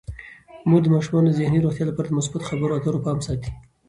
مور د ماشومانو د ذهني روغتیا لپاره د مثبت خبرو اترو پام ساتي.